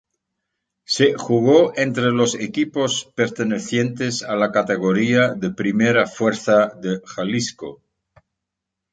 Se jugó entre los equipos pertenecientes a la categoría de Primera Fuerza de Jalisco.